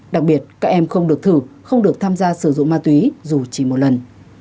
đặc biệt các em không được thử không được tham gia sử dụng ma túy dù chỉ một lần